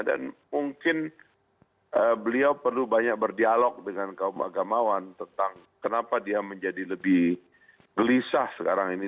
dan mungkin beliau perlu banyak berdialog dengan kaum agamawan tentang kenapa dia menjadi lebih gelisah sekarang ini